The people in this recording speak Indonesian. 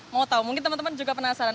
mau tahu mungkin teman teman juga penasaran